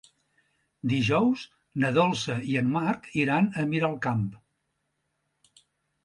Dijous na Dolça i en Marc iran a Miralcamp.